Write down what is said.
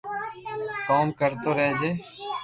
ڪوم ڪرتو رھجي